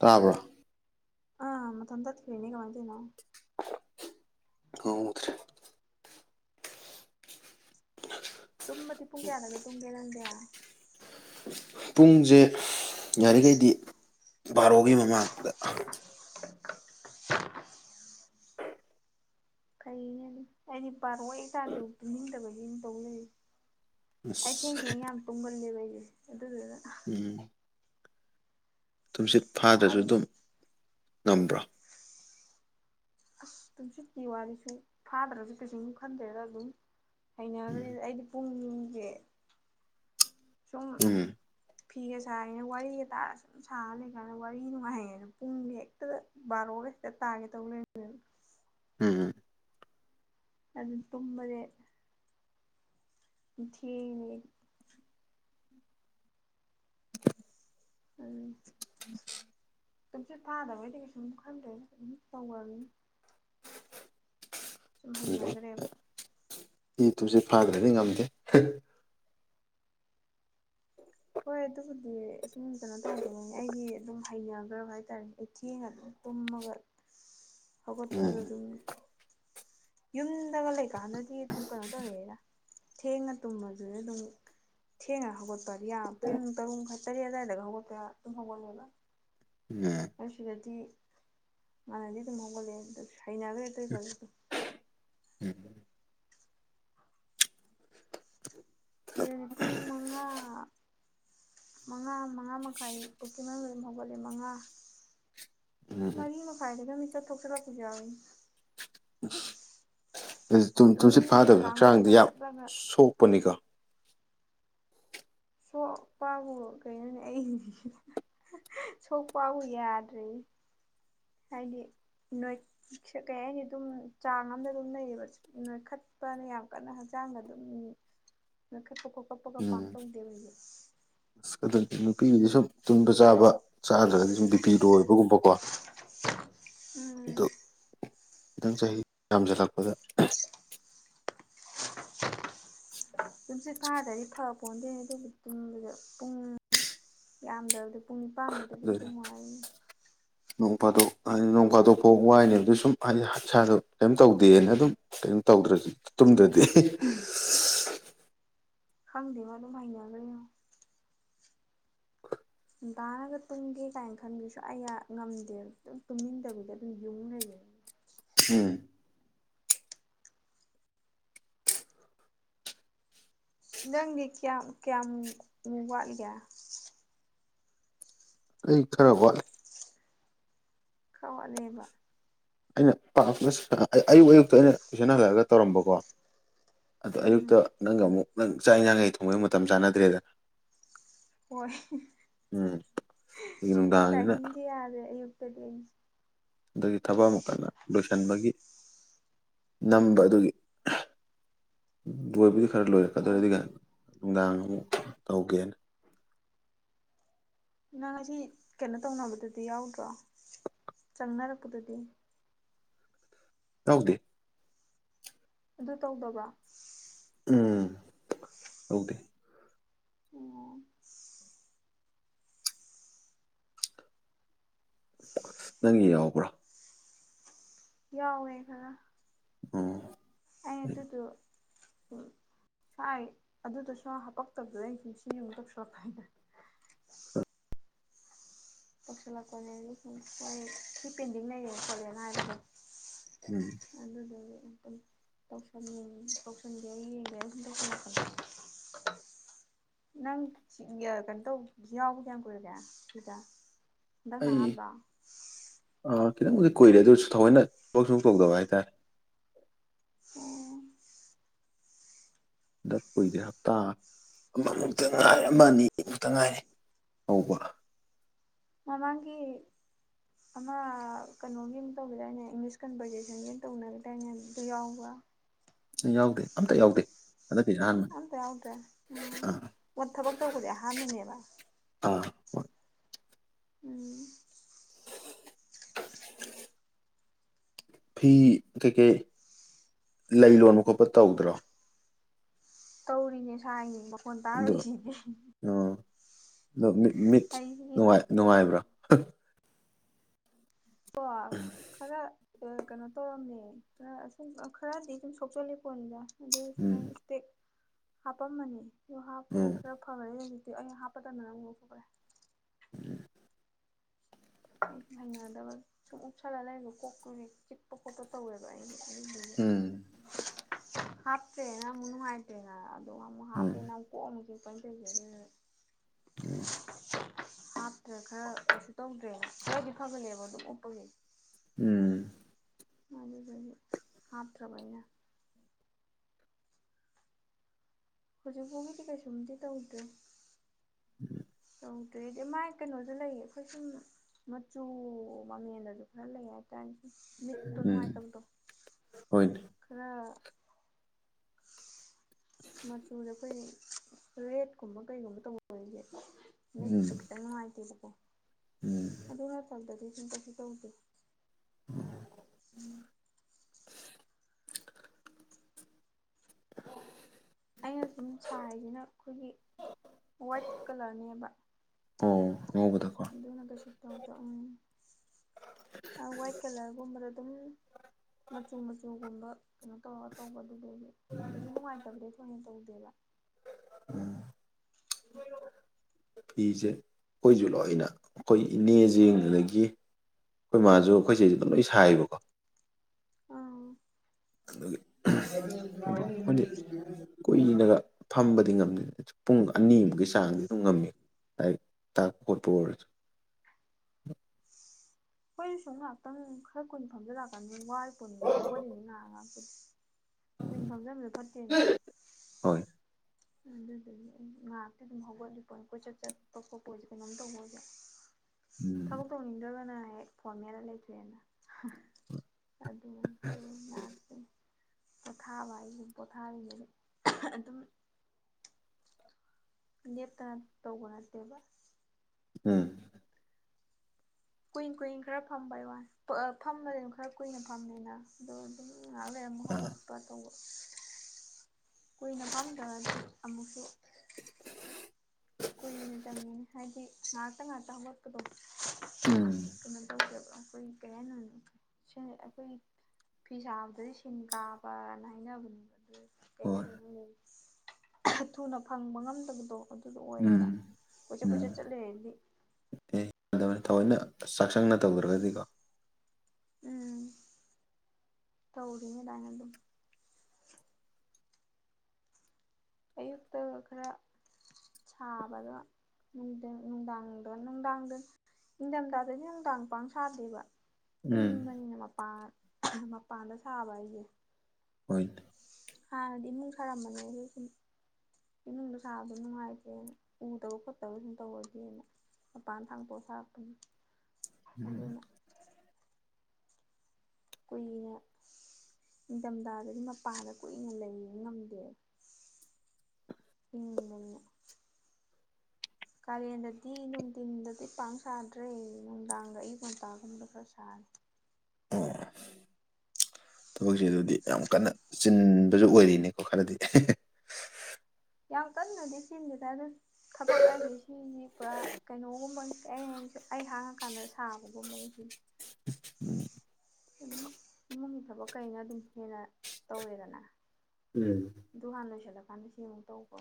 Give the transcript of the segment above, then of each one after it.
ꯇꯥꯕ꯭ꯔꯣ ꯑ ꯃꯊꯟꯇ ꯇꯠꯈꯔ꯭ꯤꯅꯤ ꯀꯃꯥꯏ ꯇꯧꯔꯤꯅꯣ ꯈꯪꯍꯧꯗ꯭ꯔꯦ ꯇꯨꯝꯃꯗꯤ ꯄꯨꯡ ꯀꯌꯥꯗꯒ ꯇꯨꯝꯒꯦ ꯅꯪꯗꯤ ꯄꯨꯡꯖꯦ ꯌꯥꯔꯤꯒꯩꯗꯤ ꯕꯥꯔꯣꯒꯤ ꯃꯃꯥꯡꯗ [unintelligible] ꯐꯩꯅꯦ ꯑꯩꯗꯤ ꯑꯩꯗꯤ ꯕꯥꯔꯣ ꯍꯦꯛ ꯇꯥꯥꯗꯔ꯭ꯤꯐꯧ ꯇꯨꯝꯅꯤꯡꯗꯕꯒꯤ ꯇꯧ ꯂꯩ ꯑꯩ ꯊꯦꯡ ꯑꯁ ꯊꯦꯡ ꯌꯥꯝ ꯇꯨꯡꯒꯜꯂꯦꯕ ꯑꯩꯖꯦ ꯑꯗꯨꯗꯨꯅ ꯎꯝ ꯇꯨꯝꯁꯤꯠ ꯐꯥꯗ꯭ꯔꯖꯨ ꯑꯗꯨꯝ ꯉꯝꯕ꯭ꯔꯣ ꯑꯁ ꯇꯨꯝꯁꯤꯠꯀꯤ ꯋꯥꯗꯨ ꯁꯨꯝ ꯐꯥꯗ꯭ꯔꯖꯨ ꯀꯩꯁꯨꯨꯝ ꯈꯟꯗ꯭ꯔꯦꯗ ꯑꯗꯨꯝ ꯎꯝ ꯍꯩꯅꯒ꯭ꯔꯦꯗ ꯑꯩꯗꯤ ꯄꯨꯡꯖꯦ ꯁꯨꯝ ꯎꯝ ꯐꯤꯒ ꯁꯥꯔꯤꯅꯦ ꯋꯥꯔꯤꯒ ꯇꯥꯔꯁ ꯁꯥ ꯂꯩꯀꯥꯟꯗ ꯋꯥꯔꯤ ꯅꯨꯡꯉꯥꯏꯌꯦ ꯄꯨꯡꯗꯤ ꯍꯦꯛꯇ ꯕꯥꯔꯣꯒ ꯍꯦꯛꯇ ꯇꯥꯒꯦ ꯇꯧ ꯂꯩꯔꯝ ꯃꯦ ꯎꯝꯝ ꯑꯗꯨ ꯇꯨꯝꯕꯖꯦ ꯊꯦꯡꯉꯦ ꯎꯝ ꯇꯨꯝꯁꯤꯠ ꯐꯥꯗꯕꯩꯗꯤ ꯀꯩꯁꯨꯝ ꯈꯟꯗ꯭ꯔꯦ ꯑꯗꯨꯝ ꯇꯧꯔꯅꯤ ꯁꯨꯝ ꯍꯩꯅꯒ꯭ꯔꯦꯕ ꯏ ꯇꯨꯁꯤꯠ ꯐꯥꯗ꯭ꯔꯗꯤ ꯉꯝꯗꯦ ꯍꯣꯏ ꯑꯗꯨꯕꯨꯗꯤ ꯁꯨꯝ ꯀꯩꯅꯣ ꯇꯧꯗꯕꯅꯦ ꯑꯩꯗꯤ ꯑꯗꯨꯝ ꯍꯩꯅꯒ꯭ꯔꯕ ꯍꯥꯏꯇꯥꯔꯦ ꯑꯩ ꯊꯦꯡꯉ ꯇꯨꯝꯃꯒ ꯎꯝ ꯍꯒꯠꯄꯗꯨꯗꯨꯅꯤ ꯌꯨꯝꯗꯒ ꯂꯩꯀꯥꯟꯗꯗꯤ ꯑꯗꯨꯝ ꯀꯩꯅꯣ ꯇꯧꯔꯦꯑꯦꯗ ꯊꯦꯡꯅ ꯇꯨꯝꯃꯖꯨꯗꯤ ꯑꯗꯨꯝ ꯊꯦꯡꯉ ꯍꯧꯒꯠꯄꯗꯤ ꯌꯥ ꯄꯨꯡ ꯇꯔꯨꯨꯝ ꯃꯈꯥꯢ ꯇꯔꯦꯠ ꯑꯗꯥꯏꯗꯒ ꯍꯧꯒꯠꯄꯥ ꯌ ꯑꯗꯨꯝ ꯍꯧꯒꯠꯂꯦꯕ ꯎꯝ ꯑꯁꯤꯗꯗꯤ ꯃꯥꯥꯟꯅꯗꯤ ꯑꯗꯨꯝ ꯍꯧꯒꯠꯂꯦ ꯑꯗꯨꯗ ꯍꯩꯅꯒ꯭ꯔꯦ ꯑꯗꯨꯢ ꯇꯧꯗꯨꯢꯗꯣ ꯎꯝ ꯁꯤꯗꯅꯦ ꯄꯨꯡ ꯃꯉꯥ ꯃꯉꯥ ꯃꯉꯥ ꯃꯈꯥꯏ ꯄꯨꯛꯀꯤ ꯃꯅꯨꯡꯗ ꯑꯗꯨꯝ ꯍꯧꯒꯠꯂꯦ ꯃꯉꯥ ꯎꯝ ꯃꯔꯤ ꯃꯈꯥꯏꯗꯒ ꯃꯤꯠꯀꯞ ꯊꯣꯛꯆꯜꯂꯛꯄꯁꯨ ꯌꯥꯎꯏꯅ ꯎ ꯑꯗꯨ ꯇꯨꯝꯁꯤꯠ ꯇꯨꯝꯅꯤꯡꯉꯗꯤ ꯐꯥꯗꯕ ꯑꯦꯂꯥꯝꯒꯁꯦ ꯍꯛꯆꯥꯡꯗꯤ ꯌꯥꯝ ꯀꯛꯊꯠꯂꯒ ꯁꯣꯛꯄꯅꯤꯀꯣ ꯁꯣꯛ ꯄꯕꯨ ꯀꯩꯅꯣꯅꯦ ꯑꯩꯗꯤ ꯁꯣꯛ ꯄꯕꯨ ꯌꯥꯗ꯭ꯔꯦꯏ ꯍꯥꯏꯗꯤ ꯅꯣꯏꯁ ꯀꯩ ꯍꯥꯏꯅꯤ ꯑꯗꯨꯝ ꯆꯥꯡ ꯑꯃꯗ ꯑꯗꯨꯝ ꯂꯩꯌꯦꯕ ꯅꯣꯏꯈꯠꯄꯅ ꯌꯥꯝ ꯀꯟꯅ ꯍꯛꯆꯥꯡꯗ ꯑꯗꯨꯝ ꯅꯣꯏꯈꯠꯄ ꯈꯣꯀꯞꯄꯒ ꯄꯥꯛ ꯎꯝ ꯇꯧꯗꯦꯕ ꯑꯩꯗꯤ ꯑꯁ ꯑꯗꯨ ꯅꯨꯄꯤꯒꯤꯗꯤ ꯁꯨꯝ ꯇꯨꯝꯕ ꯆꯥꯕ ꯆꯥꯗ꯭ꯔꯒꯗꯤ ꯁꯨꯝ ꯕꯤꯄꯤ ꯂꯣ ꯑꯣꯏꯕꯒꯨꯝꯕꯀꯣ ꯑ ꯑꯩꯗꯤ ꯗꯨ ꯈꯤꯇꯪ ꯆꯍꯤ ꯌꯥꯝꯖꯜꯂꯛꯄꯗ ꯇꯝꯁꯤꯠ ꯐꯥꯗ꯭ꯔꯗꯤ ꯐꯞ ꯄꯣꯟꯇꯦ ꯑꯗꯨꯕꯨ ꯇꯨꯝꯕꯗ ꯄꯨꯡ ꯌꯥꯝꯗ꯭ꯔꯕꯗ ꯄꯨꯡ ꯅꯤꯄꯥꯟꯃꯨꯛꯇꯤ ꯑꯗꯨꯝ ꯑꯗꯨꯅꯤ ꯇꯨꯝꯃꯨ ꯍꯥꯏꯕꯅꯤ ꯅꯣꯡ ꯐꯥꯗꯣꯛ ꯍꯥꯏꯗꯤ ꯅꯣꯡ ꯐꯥꯗꯣꯛ ꯐꯥꯎ ꯋꯥꯏꯅꯦꯕ ꯗꯣ ꯁꯨꯝ ꯍꯥꯏꯗꯤ ꯏꯁꯥꯗꯣ ꯀꯩꯝ ꯇꯧꯗꯦꯅ ꯑꯗꯨꯝ ꯀꯩꯝ ꯇꯧꯗ꯭ꯔꯁꯨ ꯇꯨꯝꯗ꯭ꯔꯗꯤ ꯈꯪꯗꯦꯕꯣ ꯑꯗꯨꯝ ꯍꯩꯅꯒ꯭ꯔꯦꯉꯣ ꯉꯟꯇꯥꯔꯒ ꯇꯨꯝꯒꯦ ꯀꯥꯏꯅ ꯈꯟꯕ ꯁꯨꯡꯌꯥ ꯌꯥ ꯑꯩ ꯉꯝꯗꯦꯕ ꯑꯗꯨꯝ ꯇꯨꯝꯅꯤꯡꯗꯕꯤꯗ ꯑꯗꯨꯝ ꯌꯨꯡ ꯂꯩꯕꯅꯤ ꯎꯝ ꯅꯪꯗꯤ ꯀꯤꯌꯥꯝ ꯀꯤꯌꯥꯝ ꯋꯥꯠꯂꯤꯒꯦ ꯑꯩ ꯈꯔ ꯋꯥꯠꯂꯤ ꯈꯔ ꯋꯥꯠꯂꯤꯌꯦꯕ ꯑꯩꯅ ꯄꯥꯛꯅ ꯑꯌꯨꯛ ꯑꯌꯨꯛꯇ ꯑꯩꯅ ꯇꯨꯏꯁꯟ ꯍꯜꯂꯛꯂꯒ ꯇꯧꯔꯝꯕꯀꯣ ꯑꯗꯣ ꯎꯝ ꯑꯌꯨꯛꯇ ꯅꯪꯒ ꯑꯃꯨꯛ ꯅꯪ ꯆꯥꯛ ꯏꯟꯁꯥꯡ ꯀꯩ ꯊꯣꯡꯕꯩ ꯃꯇꯝ ꯆꯥꯟꯅꯗ꯭ꯔꯦꯗ ꯍꯣꯏ ꯎꯝ ꯑꯗꯒꯤ ꯅꯨꯡꯗꯥꯡꯁꯤꯅ ꯇꯥꯏꯃꯤꯡꯖꯦ ꯌꯥꯗ꯭ꯔꯦ ꯑꯌꯨꯛꯇꯗꯤ ꯑꯩꯖꯨ ꯑꯗꯒꯤ ꯊꯕꯛ ꯑꯃꯨꯛ ꯀꯟꯅ ꯂꯣꯏꯁꯤꯟꯕꯒꯤ ꯅꯝꯕ ꯑꯗꯨꯒꯤ ꯂꯣꯏꯕꯨꯗꯤ ꯈꯔ ꯑꯣ ꯂꯣꯏꯔꯛꯀꯗꯣꯔꯦ ꯑꯗꯨꯒ ꯅꯨꯡꯗꯥꯡ ꯑꯃꯨꯛ ꯇꯧꯒꯦꯅ ꯅꯪ ꯉꯁꯤ ꯀꯩꯅꯣ ꯇꯧꯅꯕꯗꯗꯤ ꯌꯥꯎꯗ꯭ꯔꯣ ꯆꯪꯅꯔꯛꯄꯗꯨꯗꯤ ꯇꯧꯗꯦ ꯑꯗꯨ ꯇꯧꯗ꯭ꯔꯕ ꯎꯝ ꯇꯧꯗꯦ ꯑꯣ ꯅꯪꯒꯤ ꯌꯥꯎꯕ꯭ꯔꯥ ꯌꯥꯎꯋꯦ ꯈꯔ ꯑꯣ ꯑꯩ ꯑꯗꯨꯗꯣ ꯎꯝ ꯍꯥꯏ ꯑꯗꯨꯗꯣ ꯁꯨꯡꯍꯥꯞ ꯍꯥꯄꯛꯇꯕꯗꯨꯗ ꯑꯩꯁꯨꯝ ꯁꯤ ꯑꯃꯨꯛ ꯇꯧꯁꯜꯂꯛꯄ ꯍꯥꯏꯇꯥꯏ [inaudible] ꯇꯧꯁꯜꯂꯛꯄꯅꯦ ꯑꯩꯖꯨ ꯁꯨꯝ ꯁꯤ ꯄꯦꯟꯗꯤꯡ ꯂꯩꯌꯦ ꯈꯣꯠꯂꯦꯅ ꯍꯥꯏꯕꯗꯨꯗ ꯎꯝ ꯑꯗꯨꯗꯨꯒꯤ ꯑꯗꯨꯝ ꯇꯧꯁꯟꯂꯤꯅꯤ ꯇꯧꯁꯟꯒꯦ ꯌꯦꯡꯒꯦꯅ ꯁꯨꯝ ꯇꯧꯁꯜꯂꯛꯄꯅꯤ ꯅꯪ ꯀꯩꯅꯣ ꯇꯧ ꯌꯥꯎꯕ ꯀꯌꯥꯝ ꯀꯨꯏꯔꯒꯦ ꯁꯤꯗ ꯍꯟꯗꯛꯅ ꯑꯍꯥꯟꯕ꯭ꯔꯣ ꯑ ꯈꯤꯇꯪꯕꯨꯗꯤ ꯀꯨꯏꯔꯦ ꯑꯗꯨꯁꯨ ꯊꯑꯣꯏꯅ ꯊꯕꯛ ꯁꯨꯡ ꯇꯧꯗꯕ ꯍꯥꯏꯇꯥꯔꯦ ꯎꯝ ꯍꯟꯗꯛ ꯀꯨꯏꯗ꯭ꯔꯤ ꯍꯞꯇꯥ ꯑꯃꯃꯨꯛꯇ ꯉꯥꯏꯔꯤ ꯑꯃ ꯑꯅꯤꯃꯨꯛꯇ ꯉꯥꯏꯔꯤ ꯑꯧꯕ ꯃꯃꯥꯡꯒꯤ ꯑꯃ ꯀꯩꯅꯣꯒꯤ ꯑꯃ ꯇꯧꯒꯤꯗꯥꯏꯅꯦ ꯏꯪꯂꯤꯁ ꯀꯟꯕꯔꯖꯦꯁꯟꯒꯤ ꯇꯧꯅꯒꯗꯥꯏꯅꯦ ꯑꯗꯨ ꯌꯥꯎꯕ꯭ꯔ ꯌꯥꯎꯗꯦ ꯑꯝꯇ ꯌꯥꯎꯗꯦ ꯍꯟꯗꯛꯀꯤꯁꯤꯅ ꯑꯍꯥꯟꯕꯅꯤ ꯑꯝꯇ ꯌꯥꯎꯗꯦ ꯎꯝ ꯃ ꯊꯕꯛ ꯇꯧꯕꯖꯦ ꯑꯍꯥꯟꯕꯅꯦꯕ ꯑ ꯎꯝ ꯐꯤ ꯀꯩꯀꯩ ꯂꯩ ꯂꯣꯟꯕ ꯈꯣꯠꯄ ꯇꯧꯗ꯭ꯔꯣ ꯇꯧꯔꯤꯅꯦ ꯁꯥꯏꯅꯦ ꯃꯈꯣꯟ [unintelligible] ꯑꯣ ꯑꯗꯣ ꯃꯤꯠ ꯃꯤꯠ ꯑꯩꯒꯤ ꯅꯨꯡꯉꯥꯏ ꯅꯨꯡꯉꯥꯏꯕ꯭ꯔꯥ [unintelligible] ꯈꯔ ꯑ ꯀꯩꯅꯣ ꯇꯧꯔꯝꯃꯦ ꯈꯔ ꯁꯨꯝ ꯈꯔꯗꯤ ꯁꯨꯝ ꯁꯣꯛꯆꯜꯂꯤ ꯄꯣꯠꯅꯤꯗ ꯑꯗꯨ ꯎꯝ ꯁꯨꯃꯥꯏꯅ ꯏꯁꯇꯦꯛ ꯍꯥꯞꯄꯝꯃꯅꯤ ꯑꯗꯨ ꯍꯥꯞꯄꯒ ꯎꯝ ꯈꯔ ꯐ [unintelligible] ꯑꯩꯩꯅ ꯍꯥꯞꯄ ꯇꯟꯗꯅ ꯑꯃꯨꯛ ꯂꯧꯊꯣꯛꯈ꯭ꯔꯦ ꯁꯨꯝ ꯍꯩꯅꯗꯕꯒꯤ ꯁꯨꯝ ꯎꯞꯁꯜꯂꯒ ꯂꯩꯕ ꯀꯣꯛꯇꯨ ꯀꯤꯛꯄ ꯈꯣꯠꯄ ꯇꯧꯋꯦꯕ ꯑꯩꯒꯤ ꯎꯝ [unintelligible] ꯍꯥꯄꯇ꯭ꯔꯦꯅ ꯑꯃꯨꯛ ꯅꯨꯉꯥꯏꯇ꯭ꯔꯦꯅ ꯑꯗꯨ ꯑꯃꯨꯛ ꯍꯥꯞꯄꯦꯅ ꯎꯝ ꯀꯣꯛ ꯑꯃꯨꯛ ꯆꯤꯛꯄꯅꯦ ꯇꯧꯔꯤꯁꯦ [unintelligible] ꯍꯥꯞꯇ꯭ꯔꯦ ꯈꯔ ꯀꯩꯁꯨ ꯇꯧꯗ꯭ꯔꯦ ꯈꯔꯗꯤ ꯐꯒꯂꯦꯕ ꯑꯗꯨꯝ ꯎꯞꯄꯒꯤ ꯎꯝ ꯑꯗꯨꯗꯨꯒꯤ ꯍꯥꯠꯇ꯭ꯔꯕ ꯑꯩꯅ ꯍꯧꯖꯤꯛꯐꯥꯎꯒꯤꯗꯤ ꯀꯩꯁꯨꯝꯗꯤ ꯇꯧꯗ꯭ꯔꯦ [inaudible] ꯇꯧꯗ꯭ꯔꯦ ꯑꯗꯨ ꯃꯥꯏ ꯀꯩꯅꯣꯁꯨ ꯂꯩꯌꯦ ꯑꯩꯈꯣꯏ ꯁꯨꯝ ꯃꯆꯨ ꯃꯃꯦꯟꯗꯁꯨ ꯈꯔ ꯂꯩ ꯍꯥꯏꯇꯥꯔꯦ ꯃꯤꯠꯇꯣ ꯎꯝ ꯅꯨꯡꯉꯥꯏꯇꯕꯗꯣ ꯍꯣꯏꯅꯦ ꯈꯔ ꯃꯆꯨꯗꯣ ꯑꯩꯈꯣꯏꯒꯤ ꯔꯦꯠꯀꯨꯝꯕ ꯀꯩꯒꯨꯝꯕ ꯇꯧꯕꯖꯦ ꯎꯝ ꯃꯤꯠꯇꯨ ꯈꯤꯇꯪ ꯅꯨꯡꯉꯥꯏꯇꯦꯕꯀꯣ ꯎꯝ ꯑꯗꯨ ꯅꯠꯇꯕꯗꯗꯤ ꯁꯨꯝ ꯀꯩꯁꯨ ꯇꯧꯗꯦ ꯎꯝ [unintelligible] ꯑꯩꯅ ꯁꯨꯝ ꯁꯥꯔꯤꯁꯤꯅ ꯑꯩꯈꯣꯏꯒꯤ ꯋꯥꯏꯠ ꯀꯂꯔꯅꯦꯕ ꯑꯣ ꯑꯉꯧꯕꯗꯨ ꯀꯣ ꯑꯗꯨꯅ ꯀꯩꯁꯨ ꯇꯧꯗꯕ ꯎꯝ ꯑ ꯋꯥꯏꯠ ꯀꯂꯔꯒꯨꯝꯕꯗ ꯑꯗꯨꯝ ꯃꯆꯨ ꯃꯆꯨꯒꯨꯝꯕ ꯀꯩꯅꯣ ꯇꯧꯔꯒ ꯇꯧꯕ ꯑꯗꯨꯗꯨꯗꯤ ꯀꯩꯁꯨ ꯅꯨꯡꯉꯥꯏꯇꯕꯗꯤ ꯊꯣꯏꯅ ꯇꯧꯗꯦꯕ [inaudible] ꯐꯤꯖꯦ ꯑꯩꯈꯣꯏꯖꯨ ꯂꯣꯏꯅ ꯑꯩꯈꯣꯏ ꯏꯅꯦꯖꯤꯡ ꯑꯗꯒꯤ ꯑꯩꯈꯣꯏ ꯃꯥꯖꯨ ꯑꯩꯈꯣꯏ ꯆꯦꯖꯨ ꯑꯗꯨꯝ ꯂꯣꯏ ꯁꯥꯏꯌꯦꯕꯀꯣ ꯑꯥ ꯑꯗꯨꯒꯤ [unintelligible] ꯀꯨꯏꯅꯒ ꯐꯝꯕꯗꯤ ꯉꯝꯗꯦ ꯄꯨꯡ ꯑꯅꯤꯃꯨꯛꯀꯤ ꯆꯥꯡꯗꯤ ꯑꯗꯨꯝ ꯉꯝꯃꯤ ꯂꯥꯏꯛ ꯇꯥꯛꯄ ꯈꯣꯠꯄ ꯑꯣꯏꯔꯁꯨ ꯑꯩꯈꯣꯏꯁꯨ ꯁꯨꯝ ꯉꯥꯏꯍꯥꯛꯇꯪ ꯈꯔ ꯀꯨꯏꯅ ꯐꯝꯖꯟꯂꯛꯑꯀꯥꯟꯗꯗꯤ ꯋꯥꯔꯤ ꯄꯣꯅꯤ ꯍꯧꯒꯠꯂꯤꯅꯤ ꯉꯍꯥꯛ ꯉꯍꯥꯛꯄꯨꯗꯤ ꯀꯨꯏꯅ ꯐꯝꯖꯟꯕꯖꯨ ꯐꯠꯇꯦꯅ ꯍꯣꯏ ꯑꯗꯨꯗꯨꯒꯤ ꯉꯥꯛꯇꯤ ꯑꯗꯨꯝ ꯍꯧꯒꯠꯂꯤ ꯄꯣꯠꯅꯤ ꯀꯣꯏꯆꯠ ꯆꯠꯄ ꯈꯣꯠꯄ ꯑꯣꯏꯔꯁꯨ ꯀꯩꯅꯣꯝ ꯇꯧꯕ ꯑꯣꯏꯔꯖꯨ ꯎꯝ ꯊꯕꯛ ꯇꯧꯅꯤꯡꯗ꯭ꯔꯒꯅ ꯍꯦꯛ ꯐꯣꯟ ꯃꯦꯠꯂ ꯂꯩꯊꯣꯛꯑꯦꯅ [unintelligible] ꯑꯗꯨꯃꯥꯏ ꯇꯧ ꯉꯥꯛꯇꯅꯤ ꯄꯣꯊꯥꯕ ꯍꯥꯏꯖꯤꯅꯦ ꯄꯣꯊꯥꯔꯤꯉꯩ ꯑꯗꯨꯝ ꯂꯦꯞꯇꯅ ꯇꯧꯕ ꯅꯠꯇꯦꯕ ꯎꯝ ꯀꯨꯏꯟ ꯀꯨꯏꯟ ꯈꯔ ꯐꯝꯕꯩ ꯋꯥꯅꯦ ꯄꯨꯔ ꯐꯝꯕꯗꯤ ꯑꯗꯨꯝ ꯈꯔ ꯀꯨꯏꯅ ꯐꯝꯃꯦꯅ ꯑꯗꯨ ꯑꯗꯨꯝ ꯉꯍꯥꯛ ꯂꯩꯔ ꯑꯃꯨꯛ ꯑꯥ ꯍꯧꯒꯠꯄ ꯇꯧꯕ ꯀꯨꯏꯅ ꯐꯝꯗ꯭ꯔꯥꯗꯤ ꯑꯃꯨꯛꯁꯨ ꯀꯨꯏꯅ ꯆꯪꯉꯤꯅꯤ ꯍꯥꯏꯗꯤ ꯉꯥꯛꯇꯪ ꯉꯥꯛꯇꯪ ꯍꯧꯒꯠꯄꯗꯣ ꯎꯝ [unintelligible] ꯑꯩꯈꯣꯏꯒꯤ ꯀꯩ ꯍꯥꯢꯗꫭꯏꯅꯣ ꯁꯦ ꯑꯩꯈꯣꯢꯒꯤ ꯐꯤ ꯁꯥꯥꯕꯗꯖꯨ ꯁꯤꯟ ꯀꯥꯕꯅ ꯍꯥꯏꯅꯕꯅꯦꯕ ꯑꯗꯨ ꯀꯩ ꯍꯣꯏ ꯍꯥꯏꯗꯣꯏꯅꯣ ꯈꯪꯗ‌ꯦ ꯊꯨꯅ ꯐꯪꯕ ꯉꯝꯗꯕꯗꯣ ꯑꯗꯨ ꯑꯗꯨ ꯎꯝ ꯑꯣꯏꯌꯦꯕ ꯀꯣꯏꯆꯠ ꯀꯣꯏꯆꯠ ꯆꯠ ꯂꯩꯔꯒꯗꯤ ꯑꯗꯨꯅꯦ ꯊꯑꯣꯏꯅ ꯆꯥꯛꯆꯪꯅ ꯇꯧꯗ꯭ꯔꯒꯗꯤꯀꯣ ꯎꯝ ꯇꯧꯔꯤꯅꯦ ꯑꯗꯥꯢꯅ ꯑꯗꯨꯝ ꯑꯌꯨꯛꯇ ꯈꯔ ꯁꯥꯕꯅꯥ ꯅꯨꯡꯗꯤꯟ ꯅꯨꯡꯗꯥꯡꯗꯣ ꯅꯨꯡꯗꯥꯡꯗꯥ ꯏꯤꯡꯗꯝꯗꯥꯗꯗꯤ ꯅꯨꯡꯗꯥꯡ ꯄꯥꯛꯅꯥ ꯁꯥꯗꯦꯕ ꯎꯝ ꯏꯪꯝꯕꯅꯤꯅ ꯃꯄꯥꯟ ꯃꯄꯥꯟꯗ ꯁꯥꯕ ꯍꯥꯢꯖꯦ ꯍꯣꯏ ꯍꯥꯟꯅꯗꯤ ꯏꯃꯨꯡ ꯁꯥꯔꯝꯕꯅꯦ ꯑꯗꯨ ꯁꯨꯝ ꯏꯃꯨꯡꯗꯥ ꯁꯥꯕꯗꯨ ꯅꯨꯡꯉꯥꯏꯇꯦꯅ ꯎꯗꯕ ꯈꯣꯠꯇꯕ ꯑꯗꯨꯨꯝ ꯇꯧꯔꯗꯤꯅ ꯃꯄꯥꯟ ꯊꯥꯡꯇꯣꯛꯑ ꯁꯥꯔꯛꯄꯅꯤ ꯎꯝ ꯑꯗꯨꯅ ꯀꯨꯏꯅꯥ ꯅꯤꯡꯗꯝꯗꯥꯗꯗꯤ ꯃꯄꯥꯟꯗ ꯀꯨꯏꯅ ꯂꯩꯕ ꯉꯝꯗꯦ ꯏꯤꯡꯕꯅꯤꯅ ꯀꯥꯂꯦꯟꯗꯗꯤ ꯅꯨꯡꯗꯤꯟꯗꯗꯤ ꯄꯥꯛꯅꯥ ꯁꯥꯗ꯭ꯔꯦ ꯅꯨꯡꯗꯥꯡꯒ ꯑꯌꯨꯛ ꯉꯟꯇꯥꯒꯨꯝꯕꯗ ꯈꯔ ꯁꯥꯔꯦ ꯑꯣ ꯊꯕꯛꯁꯦ ꯑꯗꯨꯗꯤ ꯌꯥꯝ ꯀꯟꯅ ꯆꯤꯟꯕꯖꯨ ꯑꯣꯏꯔꯤꯅꯦꯀꯣ ꯈꯔꯗꯤ ꯌꯥꯝ ꯀꯟꯅꯗꯤ ꯆꯤꯟꯗꯦꯗ ꯑꯗꯨ ꯊꯕꯛ ꯑꯩꯒꯤ ꯁꯤ ꯄꯨꯔꯥ ꯀꯩꯅꯣꯒꯨꯝꯕꯅꯤ ꯑꯩ ꯑꯩ ꯍꯥꯡꯉꯀꯥꯟꯗ ꯁꯥꯕꯒꯨꯝꯕꯅꯤ ꯁꯤꯗꯤ ꯎꯝ ꯑꯗꯨꯝ ꯏꯃꯨꯡꯒꯤ ꯊꯕꯛ ꯀꯩꯅ ꯑꯗꯨꯝ ꯍꯦꯟꯅ ꯇꯧꯔꯦꯗꯅ ꯎꯝ ꯑꯗꯨ ꯍꯥꯟꯅ ꯂꯣꯏꯁꯤꯜꯂꯀꯥꯟꯗ ꯁꯤ ꯑꯃꯨꯛ ꯇꯧꯕ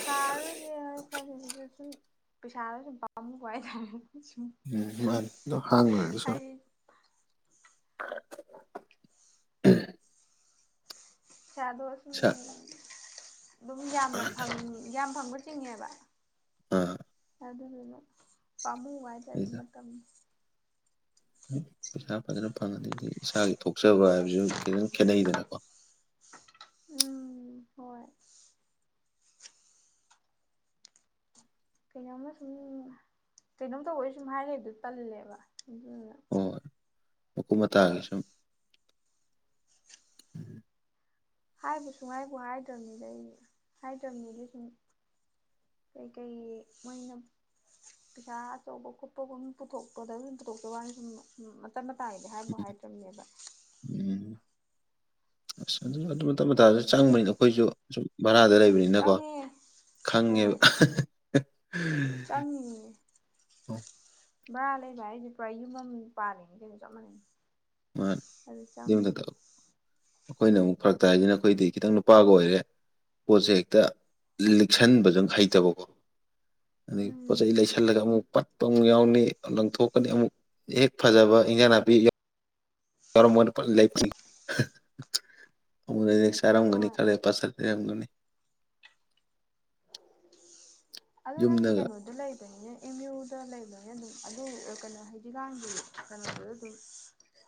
ꯁꯥꯔꯔꯣꯏꯒꯦꯅ ꯈꯜꯂꯤꯅꯤꯗꯥ ꯁꯨꯨꯝ ꯄꯩꯁꯥꯗꯨ ꯁꯨꯝ ꯄꯥꯝꯃꯨꯕ ꯍꯥꯢꯇꯥꯔꯦ ꯁꯨꯝ ꯎꯝ ꯃꯥꯅꯤ ꯑꯗꯨ ꯍꯥꯡꯅ ꯂꯩꯕꯁꯨ [unintelligible] ꯍꯥꯏꯗꯤ ꯄꯩꯁꯥꯗꯣ ꯁꯨꯝ ꯏꯁꯥ ꯑꯗꯨꯝ ꯌꯥꯝꯅ ꯃꯥꯅꯦ ꯐꯪ ꯌꯥꯝ ꯐꯪꯕ ꯆꯤꯡꯉꯦꯕ ꯑꯥ ꯑꯗꯨꯗꯨꯅ ꯄꯥꯝꯃꯨꯕ ꯍꯥꯏꯇꯥꯔꯦ ꯑꯗꯨꯅ ꯃꯇꯝꯖ‌ꯦ ꯄꯩꯁꯥ ꯐꯖꯅ ꯐꯪꯉꯅꯤ ꯑꯗꯩꯗꯤ ꯏꯁꯥꯒꯤ ꯊꯣꯛꯆꯕ ꯍꯥꯏꯕꯁꯨ ꯈꯤꯇꯪ ꯈꯦꯠꯅꯩꯗꯅꯀꯣ ꯎꯝ ꯍꯣꯏ ꯀꯩꯅꯣꯝꯃ ꯁꯨꯝ ꯀꯩꯅꯣꯝ ꯇꯧꯕꯩ ꯁꯨꯝ ꯍꯥꯏꯔ ꯂꯩꯕꯗꫭ ꯇꯜꯂ‌ꯦꯕꯥ ꯑꯗꯨꯗꯨꯅ ꯍꯣꯏ ꯃꯀꯨꯞ ꯃꯇꯥꯒꯤ ꯁꯨꯝ ꯍꯥꯏꯕꯨ ꯁꯨꯡ ꯍꯥꯏꯕꯨ ꯍꯥꯏꯗ꯭ꯔꯕꯅꯤꯗ ꯑꯩꯗꯤ ꯍꯥꯏꯗ꯭ꯔꯕꯅꯤꯗꯤ ꯁꯨꯝ ꯀꯩꯀꯩ ꯃꫭꯏꯅ ꯄꯩꯁꯥ ꯑꯆꯧꯕ ꯈꯣꯠꯄꯒꯨꯝ ꯄꯨꯊꯣꯛꯄꯗꯨꯝ ꯄꯨꯊꯣꯛꯄꯥ ꯋꯥꯅ ꯁꯨꯝ ꯃꯇꯠ ꯃꯇꯥꯒꯤꯗꯤ ꯍꯥꯏꯕꯨ ꯍꯥꯏꯗ꯭ꯔꯕꯅꯦꯕ ꯎꯝ ꯑꯁ ꯑꯗꯨꯝ ꯑꯗꯨꯝ ꯃꯇꯠ ꯃꯇꯥꯗ ꯆꯪꯕꯩꯅꯤꯗ ꯑꯩꯈꯣꯏꯖꯨ ꯁꯨꯝ ꯚꯔꯥꯗ ꯂꯩꯕꯅꯤꯅꯀꯣ ꯆꯪꯉꯦ ꯈꯪꯉꯦꯕ ꯆꯪꯉꯤꯌꯦ ꯚꯥꯔꯥꯗ ꯂꯩꯕ ꯍꯥꯏꯖꯦ ꯄꯨꯔꯥ ꯌꯨꯝ ꯑꯃ ꯄꯥꯜꯂꯤꯅꯤ ꯀꯩꯅꯣ ꯆꯞ ꯃꯥꯟꯅꯩ ꯃꯥꯅꯤ ꯑꯗꯨ ꯑꯗꯨꯏ ꯃꯊꯛꯇ ꯆꯪꯉꯤꯅꯦ ꯑꯩꯈꯣꯏꯅ ꯑꯃꯨꯛ ꯐꯔꯛ ꯇꯥꯏ ꯍꯥꯏꯖꯤꯅ ꯑꯩꯈꯣꯏꯗꯤ ꯈꯤꯇꯪ ꯅꯨꯄꯥꯒ ꯑꯣꯏꯔꯦ ꯄꯣꯠꯁꯦ ꯍꯦꯛꯇ ꯂꯤꯛꯁꯟꯕꯖꯦ ꯍꯩꯇꯕꯀꯣ ꯑꯗꯩ ꯄꯣꯠ ꯎꯝ ꯆꯩ ꯂꯩꯁꯟꯂꯒ ꯑꯃꯨꯛ ꯄꯠ ꯄꯨꯡ ꯌꯥꯎꯅꯤ ꯂꯪꯊꯣꯛꯀꯅꯤ ꯑꯃꯨꯛ ꯍꯦꯛ ꯐꯖꯕ ꯏꯟꯖꯥꯡ ꯅꯥꯄꯤ [unintelligible] ꯆꯥꯔꯝꯒꯅꯤ ꯍꯣꯏ ꯈꯜꯂꯤ ꯄꯠꯁꯟ ꯂꯩꯔꯝꯒꯅꯤ ꯑꯗꯨ ꯅꯪꯗꯤ ꯌꯨꯝꯗꯒ ꯀꯩꯅꯣꯗ ꯂꯩꯕꯅꯤꯅ ꯑꯦꯝ ꯌꯨꯗ ꯂꯩꯕꯅꯤꯅ ꯑꯗꯨꯝ ꯑꯗꯨ ꯀꯩꯅꯣ [unintelligible] ꯀꯩꯅꯣꯗꯨꯗꯤ ꯗꯨꯝ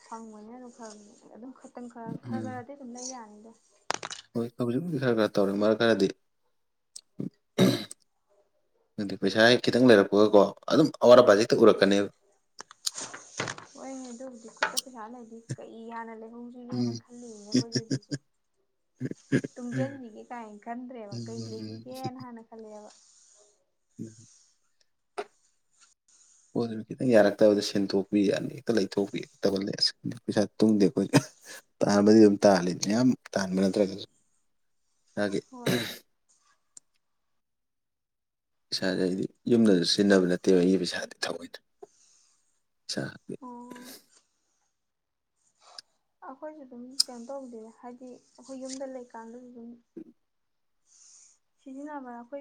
ꯐꯪꯕꯅꯤꯅ ꯑꯗꯨꯝ ꯈꯔ ꯑꯗꯨꯝ ꯈꯇꯪ ꯈꯔ ꯈꯔ ꯎꯝ ꯈꯔꯗꯤ ꯑꯗꯨꯝ ꯂꯩ ꯌꯥꯅꯤꯗ ꯍꯣꯏ ꯍꯧꯖꯤꯛꯄꯨꯗꯤ ꯈꯔ ꯈꯔ ꯇꯧꯔꯦ ꯃꯔꯛ ꯈꯔꯗꯤ ꯅꯠꯇꯦ ꯄꯩꯁꯥ ꯍꯦꯛ ꯈꯤꯇꯪ ꯂꯩꯔꯛꯄꯒꯀꯣ ꯑꯗꯨꯝ ꯑꯋꯥꯠ ꯑꯄꯥꯖꯦ ꯍꯦꯛꯇ ꯑꯥ ꯎꯔꯛꯀꯅꯤꯕ ꯍꯣꯏꯅꯦ ꯑꯗꯨꯕꯨꯗꯤ ꯈꯨꯠꯇ ꯄꯩꯁꯥ ꯂꯩꯔꯗꯤ ꯀꯩ ꯍꯥꯟꯅ ꯂꯩꯍꯧ [unintelligible] ꯎꯝ ꯈꯜꯂꯤꯅꯦ ꯑꯩꯈꯣꯏꯖꯦ ꯍꯧꯖꯤꯛꯁꯦ ꯇꯨꯡꯖꯟꯖꯤꯒꯦ ꯀꯥꯏꯅ ꯈꯟꯗ꯭ꯔꯦꯕ ꯀꯩ ꯎꯝ ꯂꯩꯔꯤꯒꯦꯅ ꯍꯥꯟꯅ ꯈꯜꯂꯦꯕ [unintelligible] ꯄꯣꯠ ꯂꯩꯕꯗ ꯈꯤꯇꯪ ꯌꯥꯔꯛꯇꯕꯗ ꯁꯤꯟꯇꯣꯛꯄꯤ ꯑꯗꯩ ꯍꯦꯛꯇ ꯂꯩꯊꯣꯛꯄꯤ ꯇꯧꯒꯜꯂꯦ ꯑꯁ ꯄꯩꯁꯥ ꯇꯨꯡꯗꯦ ꯑꯩꯈꯣꯏꯗꯤ ꯇꯥꯟꯕꯗꯤ ꯑꯗꯨꯝ ꯇꯥꯜꯂꯤꯅꯦ ꯃꯌꯥꯝ ꯇꯥꯟꯕ ꯅꯠꯇ꯭ꯔꯒꯖꯨ ꯏꯁꯥꯒꯤ ꯍꯣꯏ ꯄꯩꯁꯥꯖꯦ ꯑꯩꯗꯤ ꯌꯨꯝꯗꯖꯨ ꯁꯤꯖꯤꯟꯅꯕ ꯅꯠꯇꯦꯕ ꯑꯩꯒꯤ ꯄꯩꯁꯥꯗꯤ ꯊꯋꯣꯏꯅ ꯑꯣ [unintelligible] ꯑꯩꯈꯣꯏꯖꯨ ꯑꯗꯨꯝ ꯀꯩꯅꯣ ꯇꯧꯗꯦꯗ ꯍꯥꯏꯗꯤ ꯑꯩꯈꯣꯏ ꯌꯨꯝꯗ ꯂꯩꯀꯥꯟꯗꯖꯨ ꯑꯗꯨꯝ ꯁꯤꯖꯤꯟꯅꯕ ꯑꯩꯈꯣꯏ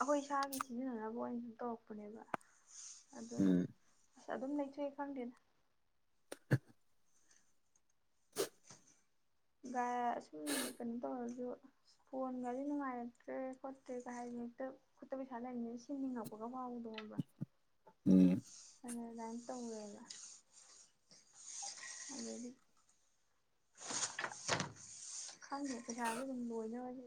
ꯑꯩꯈꯣꯏ ꯏꯁꯥꯒꯤ ꯁꯤꯖꯤꯟꯅꯅꯕ ꯑꯣꯏꯅ ꯁꯨꯝ ꯇꯧꯔꯛꯄꯅꯦꯕ ꯑꯗꯨꯅ ꯎꯝ ꯑꯁ ꯑꯗꯨꯝ ꯂꯩꯊꯣꯛꯑꯦ ꯈꯪꯗꯦꯗ [inaudible] ꯗꯥ ꯁꯨꯝ ꯀꯩꯅꯣ ꯇꯧꯔꯖꯨ ꯐꯣꯟꯒꯖꯦ ꯅꯨꯡꯉꯥꯏꯔꯛꯇ꯭ꯔꯦ ꯈꯣꯠꯇ꯭ꯔꯦꯒ ꯍꯥꯏꯔꯗꯤ ꯍꯦꯛꯇ ꯈꯨꯠꯇ ꯄꯩꯁꯥ ꯂꯩꯕꯅꯤꯅ ꯁꯤꯟꯅꯤꯡꯉꯛꯄꯒ ꯐꯥꯎꯕꯗꯣ ꯈꯪꯕ꯭ꯔꯥ ꯎꯝ [unintelligible] ꯑꯗꯩꯗꯤ ꯈꯪꯗꯦ ꯄꯩꯁꯥꯖꯦ ꯑꯗꯨꯝ ꯂꯣꯏꯅꯕꯖꯦ